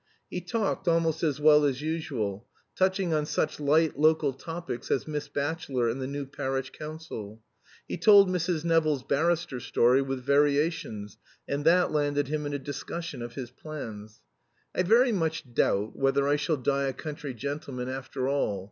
He talked almost as well as usual, touching on such light local topics as Miss Batchelor and the new Parish Council; he told Mrs. Nevill's barrister story with variations, and that landed him in a discussion of his plans. "I very much doubt whether I shall die a country gentleman after all.